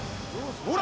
「ほら！